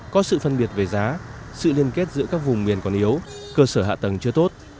có sự phân biệt về giá sự liên kết giữa các vùng miền còn yếu cơ sở hạ tầng chưa tốt